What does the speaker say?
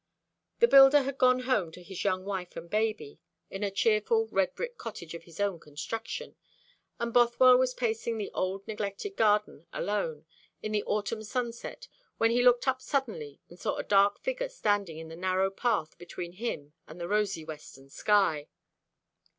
The builder had gone home to his young wife and baby, in a cheerful red brick cottage of his own construction; and Bothwell was pacing the old neglected garden alone, in the autumn sunset, when he looked up suddenly, and saw a dark figure standing in the narrow path between him and the rosy western sky.